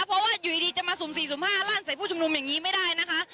เพราะว่าอยู่ดีจะมาสุ่ม๔สุ่ม๕ลั่นใส่ผู้ชุมนุมอย่างนี้ไม่ได้นะคะ